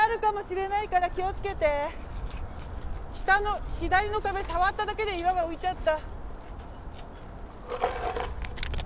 下の左の壁触っただけで岩が浮いちゃった。